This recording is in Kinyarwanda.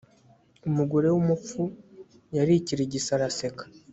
umugore w'umupfu yarikirigise araseka